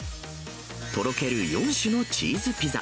とろける４種のチーズピザ。